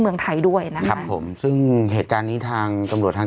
เมืองไทยด้วยนะครับผมซึ่งเหตุการณ์นี้ทางตำรวจทาง